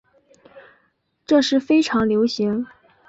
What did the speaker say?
这是非常流行。